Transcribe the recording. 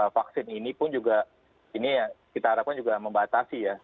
vaksin ini pun juga ini kita harapkan juga membatasi ya